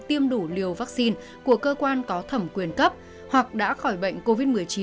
tiêm đủ liều vaccine của cơ quan có thẩm quyền cấp hoặc đã khỏi bệnh covid một mươi chín